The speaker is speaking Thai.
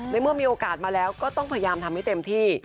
เมื่อมีโอกาสมาแล้วก็ต้องพยายามทำให้เต็มที่